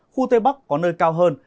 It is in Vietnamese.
khu tây bắc có nơi cao hơn